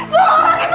suruh orang itu pergi